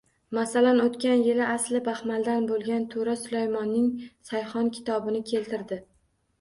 Masalan, o‘tgan yili asli Baxmaldan bo‘lgan To‘ra Sulaymonning Sayhon kitobini keltirdi